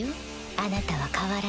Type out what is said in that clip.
あなたは変わらない。